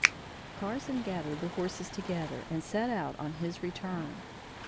Carson gathered the horses together and set out on his return.